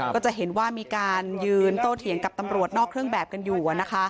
ก็จะเห็นว่ามีการยืนโตเถียงกับตำรวจนอกเครื่องแบบกันอยู่